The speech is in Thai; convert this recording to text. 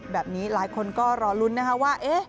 แบบนี้หลายคนก็รอลุ้นนะครับว่า